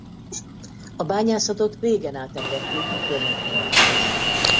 A bányászatot régen átengedték a környék németjeinek.